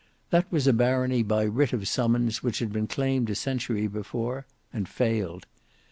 That was a barony by writ of summons which had been claimed a century before, and failed.